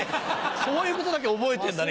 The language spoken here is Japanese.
そういうことだけ覚えてんだね。